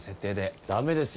ダメですよ。